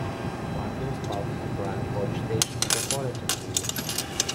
Franklin is part of the Bryan-College Station metropolitan area.